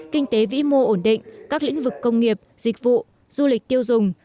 kinh tế vĩ mô ổn định các lĩnh vực công nghiệp dịch vụ du lịch tiêu dùng